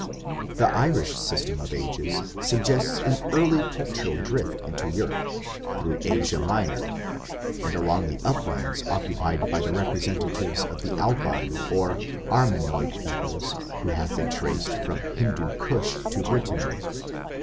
The Irish system of ages suggests an early cultural drift into Europe, through Asia Minor, and along the uplands occupied by the representatives of the Alpine or Armenoid peoples who have been traced from Hindu Kush to Brittany.